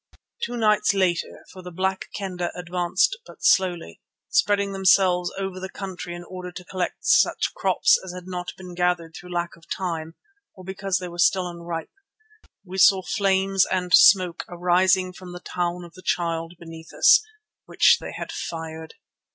Two nights later, for the Black Kendah advanced but slowly, spreading themselves over the country in order to collect such crops as had not been gathered through lack of time or because they were still unripe, we saw flames and smoke arising from the Town of the Child beneath us, which they had fired.